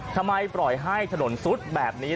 ทำไมปล่อยให้ถนนซุดแบบนี้